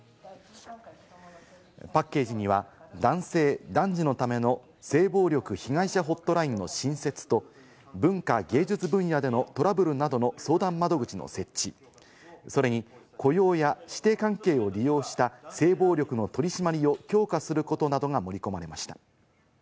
パッケージには男性・男児のための性暴力被害者ホットラインの新設と、文化芸術分野でのトラブルなどの相談窓口の設置、それに雇用や師弟関係を利用した性暴力の取り締まりを強化することなどが盛り込まれました。